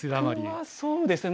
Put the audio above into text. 僕はそうですね。